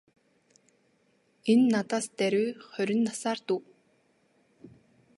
Энэ надаас даруй хорин насаар дүү.